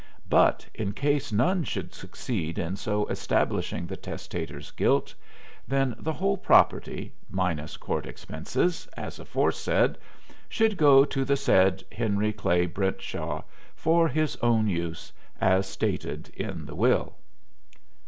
But in case none should succeed in so establishing the testator's guilt, then the whole property, minus court expenses, as aforesaid, should go to the said Henry Clay Brentshaw for his own use, as stated in the will.